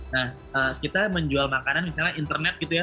nah kita menjual makanan misalnya internet gitu ya